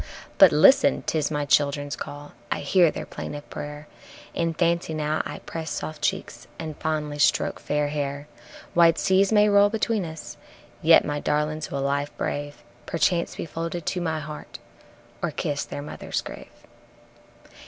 But listen! 'tis my childrens' call, I hear their plaintive prayer, In fancy now I press soft cheeks and fondly stroke fair hair. Wide seas may roll between us, yet my darlings will life brave, Perchance be folded to my heart, or kiss their mother's grave.